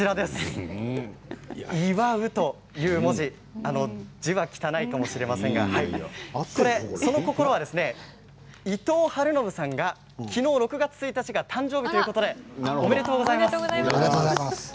祝うという文字字は汚いかもしれませんがその心は伊藤晴信さんがきのう６月１日が誕生日ということでありがとうございます。